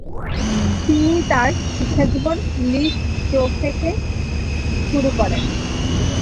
তিনি তার শিক্ষাজীবন লিস জোফেখে শুরু করেন।